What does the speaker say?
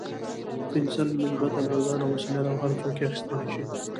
پنسل نسبتاً ارزانه وسیله ده او هر څوک یې اخیستلای شي.